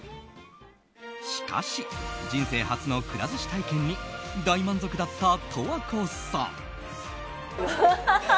しかし人生初のくら寿司体験に大満足だった十和子さん。